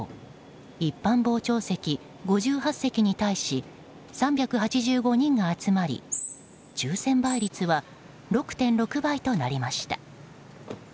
一般傍聴席５８席に対し３８５人が集まり抽選倍率は６．６倍となりました。